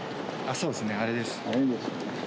そうですねあれです。